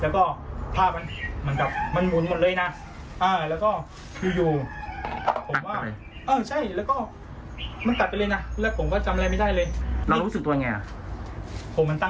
คุณมิ้นบอกว่าหลังจากฟื้นเนี่ยนะฮะ